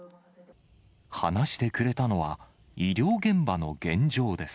話してくれたのは、医療現場の現状です。